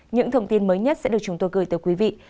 những thông tin mới nhất sẽ được chúng tôi gửi tới quý vị